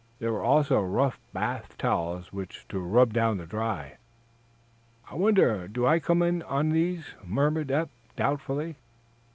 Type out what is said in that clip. There were also rough bath towels with which to rub down dry. "I wonder do I come in on these?" murmured Eph, doubtfully.